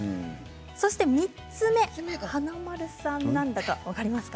そして、３つ目華丸さん、何だか分かりますか？